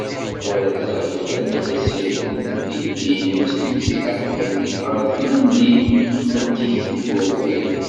Arraz-a, yerra-yi-d asirem deg tiddin n tmetti taqbaylit ɣer tlelli n tikti d wawal.